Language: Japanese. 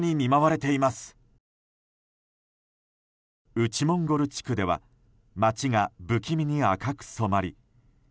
内モンゴル地区では街が不気味に赤く染まり